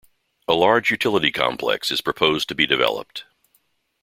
A large utility complex is proposed to be developed.